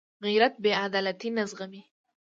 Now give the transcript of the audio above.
غیرت بېعدالتي نه زغمي